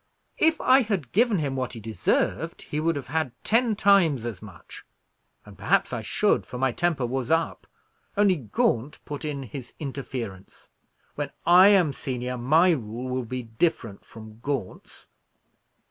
"If I had given him what he deserved, he would have had ten times as much; and perhaps I should, for my temper was up, only Gaunt put in his interference. When I am senior, my rule will be different from Gaunt's."